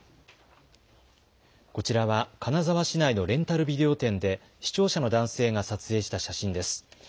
こちらは金沢市内のレンタルビデオ店で、視聴者の男性が撮影した写真です。